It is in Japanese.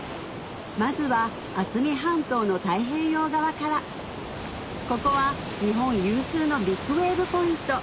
まずは渥美半島の太平洋側からここは日本有数のビッグウエーブポイント